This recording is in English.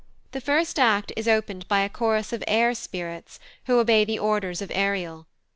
The first act is opened by a chorus of Air Spirits, who obey the orders of Ariel.